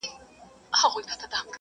اوه جمع درې؛ لس کېږي.